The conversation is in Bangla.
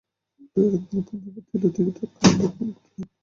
বারাঙ্গনা পুনর্বার দিল, তিনিও তৎক্ষণাৎ ভক্ষণ করিলেন।